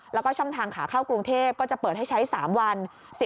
แล้วก็ช่องทางขาเข้ากรุงเทพก็จะเปิดให้ใช้๓วัน